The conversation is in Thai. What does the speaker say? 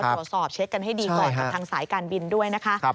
ตรวจสอบเช็คกันให้ดีก่อนกับทางสายการบินด้วยนะคะ